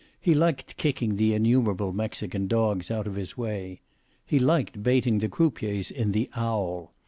He liked kicking the innumerable Mexican dogs out of his way. He liked baiting the croupiers in the "Owl."